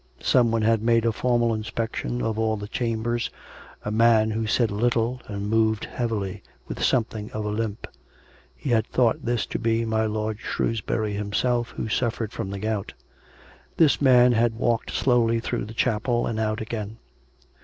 Someone had made a formal inspection of all the chambers — a man who said' little and moved heavily with something of a limp (he had thought this to be my lord Shrewsbury himself, who suffered from the gout) : this man had walked slowly through the chapel and out again.